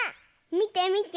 みてみて。